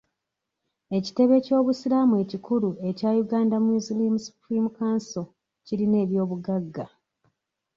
Ekitebe ky'obusiraamu ekikulu ekya Uganda Muslim Supreme Council kirina eby'obuggaga.